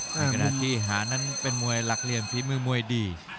ขณะที่หานั้นเป็นมวยหลักเหลี่ยมฝีมือมวยดี